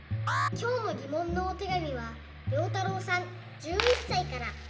きょうのぎもんのおてがみはりょうたろうさん１１さいから。